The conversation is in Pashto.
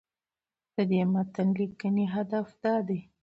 د دې متن لیکنې هدف دا دی